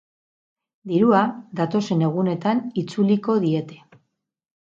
Dirua datozen egunetan itzuliko diete.